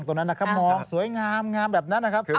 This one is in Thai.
โอ้โหถ้าแบบนี้นะครับ